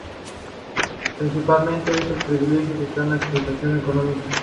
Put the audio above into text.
Principal entre esos privilegios esta de la explotación económica.